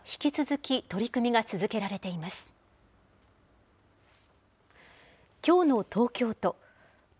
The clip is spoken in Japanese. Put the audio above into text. きょうの東京都。